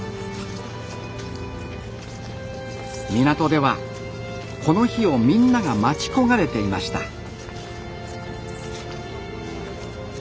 港ではこの日をみんなが待ち焦がれていました。